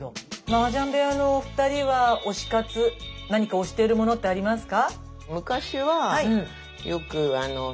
マージャン部屋のお二人は推し活何か推しているものってありますか？